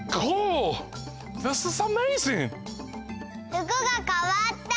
ふくがかわった！